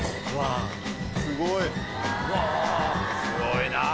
すごいなぁ。